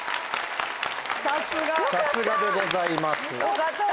さすがでございます。